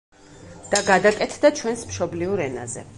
და გადაკეთდა ჩვენს მშობლიურ ენაზე.